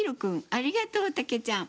ありがとう、たけちゃん。